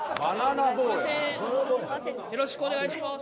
よろしくお願いします